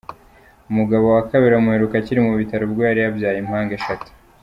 Umugabo wa kabiri amuheruka akiri mu bitaro ubwo yari yabyaye impanga eshatu.